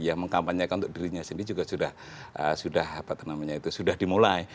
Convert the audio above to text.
yang mengkampanyekan untuk dirinya sendiri juga sudah sudah apa namanya itu sudah dimulai